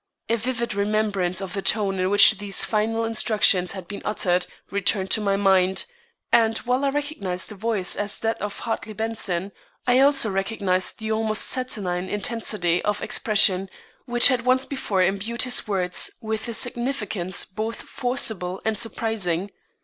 A vivid remembrance of the tone in which these final instructions had been uttered returned to my mind, and while I recognized the voice as that of Hartley Benson, I also recognized the almost saturnine intensity of expression which had once before imbued his words with a significance both forcible and surprising.